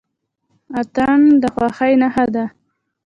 اتن د خوښۍ نښه ده.